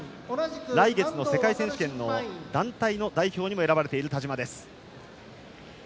来月の世界選手権の団体の代表にも選ばれている田嶋です。